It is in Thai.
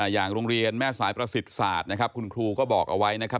อย่างโรงเรียนแม่สายประสิทธิ์ศาสตร์นะครับคุณครูก็บอกเอาไว้นะครับ